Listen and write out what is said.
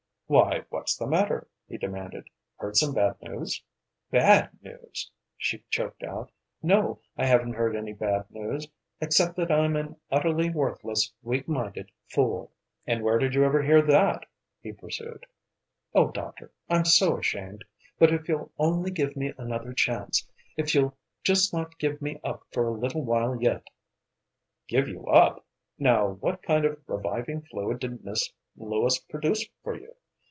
"Why, what's the matter?" he demanded. "Heard some bad news?" "Bad news!" she choked out; "no, I haven't heard any bad news except that I'm an utterly worthless, weak minded fool!" "And where did you hear that?" he pursued. "Oh, doctor I'm so ashamed! But if you'll only give me another chance! If you'll just not give me up for a little while yet!" "Give you up! Now what kind of reviving fluid did Miss Lewis produce for you?